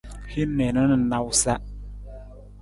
Hin niinu na nawusa.